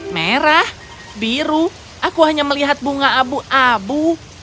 merah biru aku hanya melihat bunga abu abu